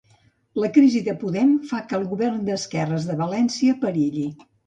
La crisi de Podem fa que el govern d'esquerres de València perilli.